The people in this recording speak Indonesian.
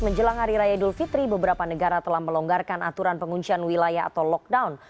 menjelang hari raya idul fitri beberapa negara telah melonggarkan aturan penguncian wilayah atau lockdown